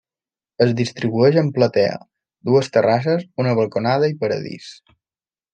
Es distribueix en platea, dues terrasses, una balconada i paradís.